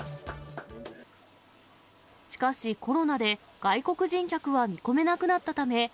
しかし、コロナで外国人客は見込めなくなったため。